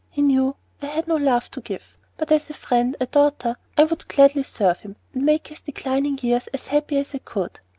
He knew I had no love to give; but as a friend, a daughter, I would gladly serve him, and make his declining years as happy as I could.